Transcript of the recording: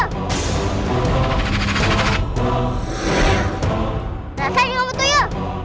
rasain sama tuju